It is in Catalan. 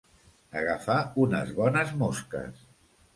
Agafar unes bones mosques.